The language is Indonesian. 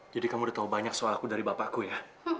jadi kamu udah tau banyak soal aku dari bapakku ya